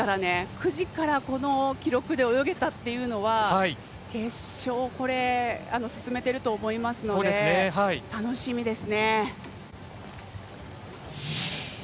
９時から、この記録で泳げたっていうのは決勝、進めていると思いますので楽しみですね。